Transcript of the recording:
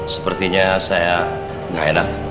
sepertinya saya gak enak